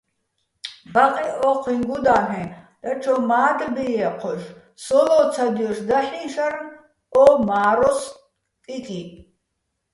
ბაყეჸ ო́ჴუიჼ გუდა́ლ'ეჼ, დაჩო მა́დლბი ჲე́ჴოშ, სო ლო́ცადჲოშ დაჰ̦იჼ შარნ ო მა́როს კიკი.